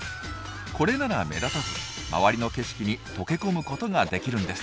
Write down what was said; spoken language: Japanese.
これなら目立たず周りの景色に溶け込むことができるんです。